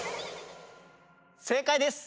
正解です。